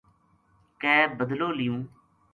کے بَدلو لیوں